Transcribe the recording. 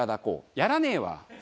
やらねえわ！